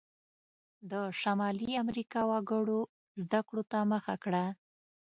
د شمالي امریکا وګړو زده کړو ته مخه کړه.